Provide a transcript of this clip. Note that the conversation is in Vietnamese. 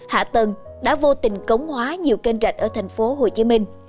hạ tầng đã vô tình cống hóa nhiều kênh rạch ở thành phố hồ chí minh